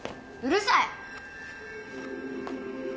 うるさい！